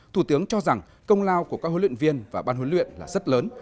thủ tướng cho rằng công lao của các huấn luyện viên và ban huấn luyện là rất lớn